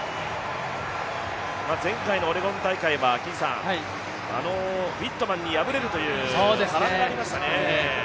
前回のオレゴン大会はあのウィットマンに敗れるという波乱がありましたね。